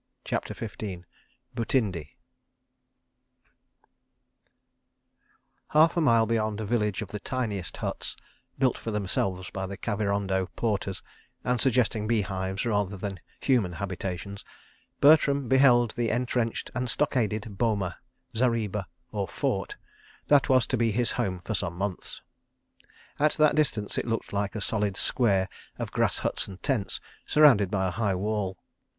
CHAPTER XV Butindi Half a mile beyond a village of the tiniest huts—built for themselves by the Kavirondo porters, and suggesting beehives rather than human habitations—Bertram beheld the entrenched and stockaded boma, zariba, or fort, that was to be his home for some months. At that distance, it looked like a solid square of grass huts and tents, surrounded by a high wall.